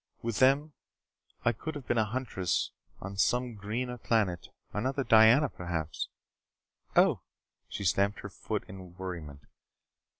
With them I could have been a huntress on some greener planet another Diana, perhaps. Oh!" She stamped her foot in worriment.